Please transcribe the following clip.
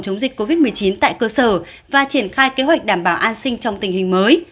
chống dịch covid một mươi chín tại cơ sở và triển khai kế hoạch đảm bảo an sinh trong tình hình mới